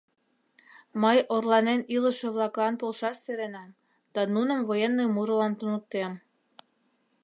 Мый орланен илыше-влаклан полшаш сӧренам да нуным военный мурылан туныктем”.